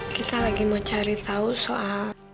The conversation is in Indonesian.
kita lagi mau cari tahu soal